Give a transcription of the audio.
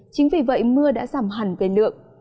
chính vì vậy mưa đã giảm hẳn về lượng